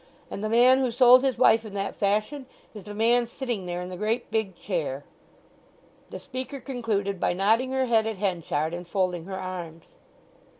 And the man who sold his wife in that fashion is the man sitting there in the great big chair." The speaker concluded by nodding her head at Henchard and folding her arms.